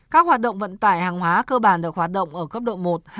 các hoạt động vận tải hàng hóa cơ bản được hoạt động ở cấp độ một hai ba